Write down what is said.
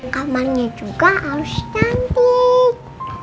kamarnya juga harus cantik